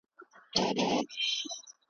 د کتاب لوستل انسان له خيالي نړۍ وباسي.